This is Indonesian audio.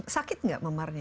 sakit gak memarnya